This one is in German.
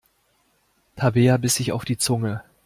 Tabea biss sich auf die Zunge.